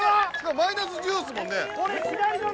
マイナス１０ですもんね。